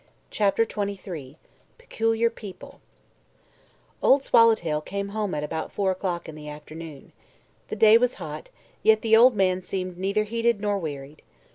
CHAPTER XXIII PECULIAR PEOPLE Old Swallowtail came home at about four o'clock in the afternoon. The day was hot, yet the old man seemed neither heated nor wearied.